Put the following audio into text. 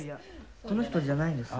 この人じゃないんですよ。